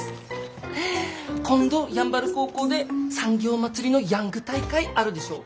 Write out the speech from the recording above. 今度山原高校で産業まつりのヤング大会あるでしょ？